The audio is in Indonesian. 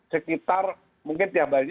sekitar mungkin tiap hari